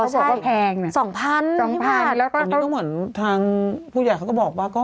อ๋อใช่สองพันไม่ผิดแล้วก็อันนี้ต้องเหมือนทางผู้ใหญ่เขาก็บอกว่า